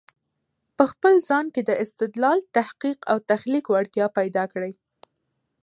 په خپل ځان کې د استدلال، تحقیق او تخليق وړتیا پیدا کړی